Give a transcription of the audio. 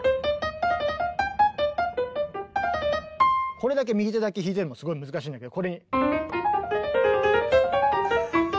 これだけ右手だけ弾いててもすごい難しいんだけどこれに。